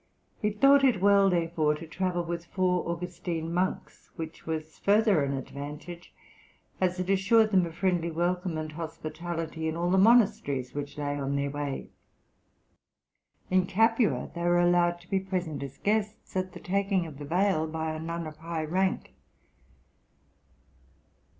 He thought it well, therefore, to travel with four Augustine monks, which was further an advantage, as it assured them a friendly welcome and hospitality in all the monasteries which lay on their way. In Capua, they were allowed to be present as guests at the taking of the veil by a nun of high rank.